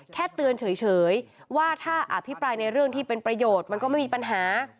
แค่เตือนเฉยว่าถ้าอภิปรายในเรื่องที่เป็นประโยชน์มันก็ไม่มีปัญหา